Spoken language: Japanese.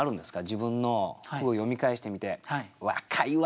自分の句を読み返してみて「若いわ。